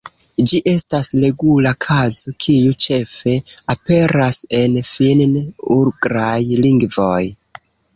Ĝi estas regula kazo, kiu ĉefe aperas en finn-ugraj lingvoj.